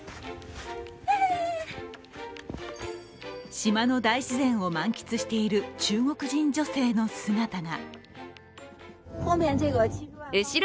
島の大自然を満喫している中国人女性の姿が。